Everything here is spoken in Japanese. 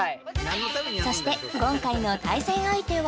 そして今回の対戦相手は？